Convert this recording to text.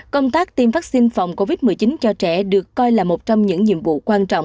công tác tiêm vaccine phòng covid một mươi chín cho trẻ được coi là một trong những nhiệm vụ quan trọng